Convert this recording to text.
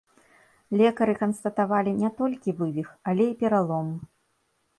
Лекары канстатавалі не толькі вывіх, але і пералом.